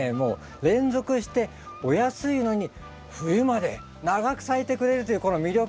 連続してお安いのに冬まで長く咲いてくれるというこの魅力。